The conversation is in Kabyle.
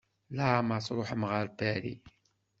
Leɛmeṛ Tṛuḥem ɣer Paris?